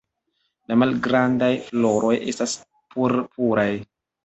La malgrandaj floroj estas purpuraj.